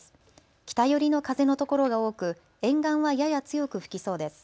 北寄りの風のところが多く沿岸はやや強く吹きそうです。